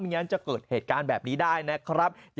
งั้นจะเกิดเหตุการณ์แบบนี้ได้นะครับ